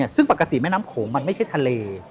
ซึ่งปกติแม่น้ำโขงมันไม่ใช่ทะเล